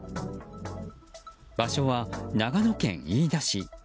場所は長野県飯田市。